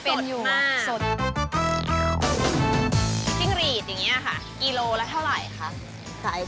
โอ้โฮ๑๐กว่าปี